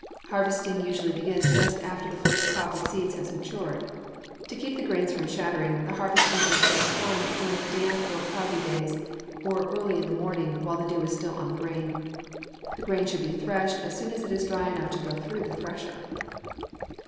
Harvesting usually begins just after the first crop of seeds have matured. To keep the grains from shattering, the harvesting is best done during damp or cloudy days or early in the morning while the dew is still on the grain. The grain should be threshed as soon as it is dry enough to go through the thresher.